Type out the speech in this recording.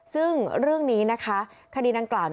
ซึ่งเรื่องนี้นะคะคดีดังกล่าว